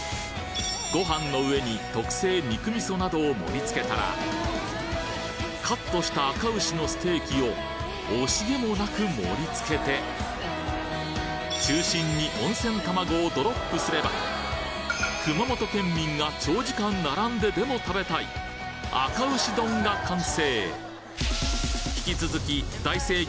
ご飯の上に特製肉味噌などを盛り付けたらカットしたあか牛のステーキを惜しげもなく盛り付けて中心に温泉卵をドロップすれば熊本県民が長時間並んででも食べたいあか牛丼が完成！